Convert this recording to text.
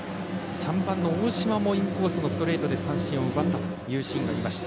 ３番の大島もインコースのストレートで三振を奪ったというシーンがありました。